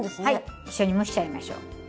はい一緒に蒸しちゃいましょう。